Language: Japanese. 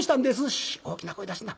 「シ大きな声出すな。